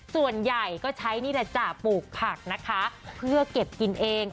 ส่วนใหญ่ก็ใช้นี่แหละจ้ะปลูกผักนะคะเพื่อเก็บกินเอง